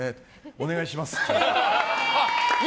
お願いしますって。